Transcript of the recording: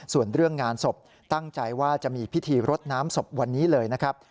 ส่วนเรื่องงานศพตั้งใจว่าจะมีพิธีรดน้ำศพวันนี้เลยนะครับ